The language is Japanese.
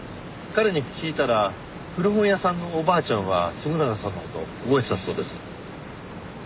彼に聞いたら古本屋さんのおばあちゃんは嗣永さんの事を覚えてたそうです。